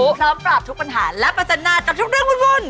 พร้อมปราบทุกปัญหาและประจันนากับทุกเรื่องวุ่น